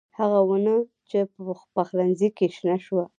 هغه ونه چې په پخلنخي کې شنه شوه